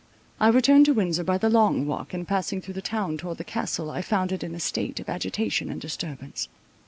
I returned to Windsor by the Long Walk, and passing through the town towards the Castle, I found it in a state of agitation and disturbance.